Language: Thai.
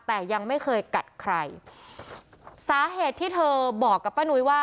แต่ยังไม่เคยกัดใครสาเหตุที่เธอบอกกับป้านุ้ยว่า